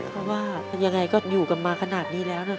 เพราะว่ายังไงก็อยู่กันมาขนาดนี้แล้วนะคะ